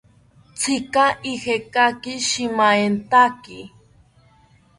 ¿Tzika ijekaki shimaentaki?